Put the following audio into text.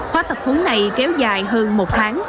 khóa tập huấn này kéo dài hơn một tháng